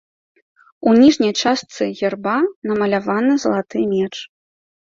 У ніжняй частцы герба намаляваны залаты меч.